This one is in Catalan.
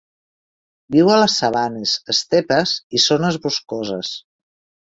Viu a les sabanes, estepes i zones boscoses.